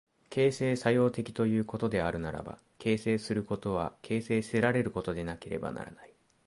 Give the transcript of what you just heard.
形成作用的ということであるならば、形成することは形成せられることでなければならない。